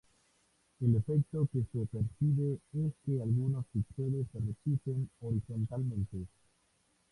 El efecto que se percibe es que algunos píxeles se repiten horizontalmente.